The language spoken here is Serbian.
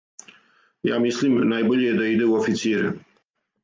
Ја мислим, најбоље је да иде у официре